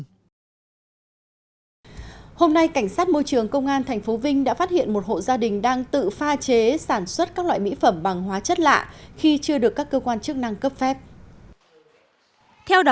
hôm nay cảnh sát môi trường công an tp vinh đã phát hiện một hộ gia đình đang tự pha chế sản xuất các loại mỹ phẩm bằng hóa chất lạ khi chưa được các cơ quan chức năng cấp phép